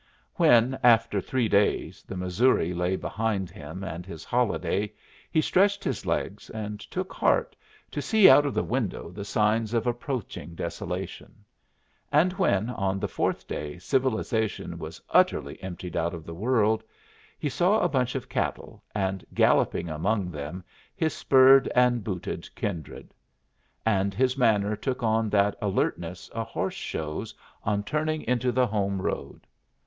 When, after three days, the Missouri lay behind him and his holiday, he stretched his legs and took heart to see out of the window the signs of approaching desolation. And when on the fourth day civilization was utterly emptied out of the world, he saw a bunch of cattle, and, galloping among them, his spurred and booted kindred. And his manner took on that alertness a horse shows on turning into the home road.